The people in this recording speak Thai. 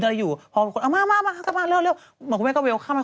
แสดงว่าคุณแม่ทำการแสดงเก่งกว่าพี่โป๊บใช่ไหม